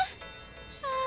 ああ！